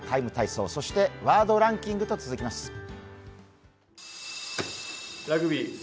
体操」、そしてワードランキングと続きます。